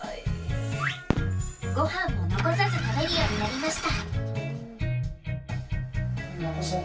ごはんも残さず食べるようになりました。